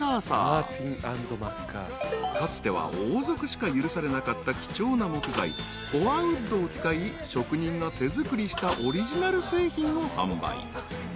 ［かつては王族しか許されなかった貴重な木材コアウッドを使い職人が手作りしたオリジナル製品を販売］